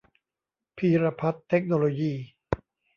พีรพัฒน์ เทคโนโลยี